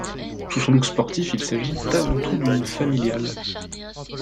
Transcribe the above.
Sous son look sportif, il s'agit avant tout d'une familiale.